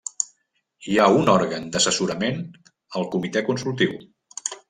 Hi ha un òrgan d'assessorament, el Comitè Consultiu.